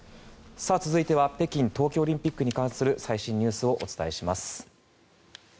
続いては北京冬季オリンピックの最新ニュースをお伝えします。